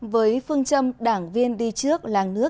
với phương châm đảng viên đi trước